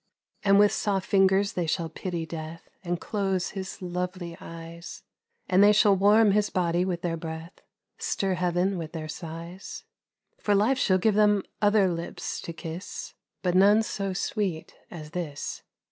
And with soft fingers they shall pity death And close his lovely eyes, And they shall warm his body with their breath, Stir heaven with their sighs ; For life shall give them other lips to kiss, But none so sweet as this.